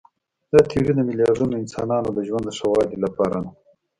دا تیوري د میلیاردونو انسانانو د ژوند د ښه والي لپاره ده.